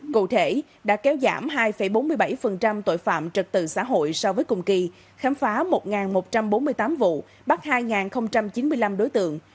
cụ thể đã kéo giảm hai bốn mươi bảy tội phạm trật tự xã hội so với cùng kỳ khám phá một một trăm bốn mươi tám vụ bắt hai chín mươi năm đối tượng